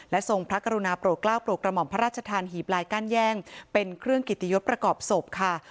ทรงพระกรุณาโปรดกล้าวโปรดกระหม่อมพระราชทานหีบลายก้านแย่งเป็นเครื่องกิติยศประกอบศพค่ะ